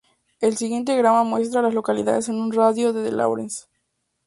El siguiente diagrama muestra a las localidades en un radio de de Laurens.